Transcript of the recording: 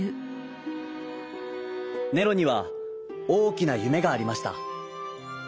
ネロにはおおきなゆめがありました。